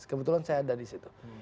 kebetulan saya ada di situ